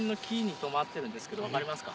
分かりますか？